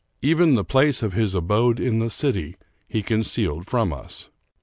Even the place of his abode in the city he concealed from us.